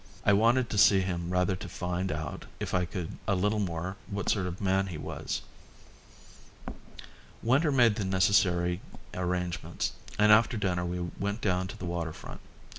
I wanted to see him rather to find out if I could a little more what sort of man he was. Winter made the necessary arrangements and after dinner we went down to the water front.